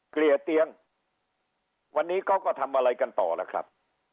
เกลี่ยเตียงวันนี้เขาก็ทำอะไรกันต่อล่ะครับ